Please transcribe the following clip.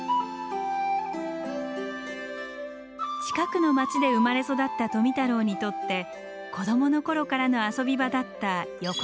近くの町で生まれ育った富太郎にとって子どもの頃からの遊び場だった横倉山。